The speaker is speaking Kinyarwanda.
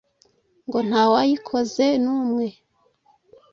ngo nta wayikoze numwe